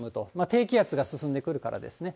低気圧が進んでくるからですね。